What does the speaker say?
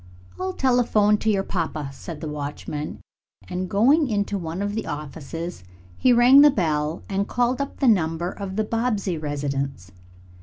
"I'll telephone to your papa," said the watchman, and going into one of the offices he rang the bell and called up the number of the Bobbsey residence.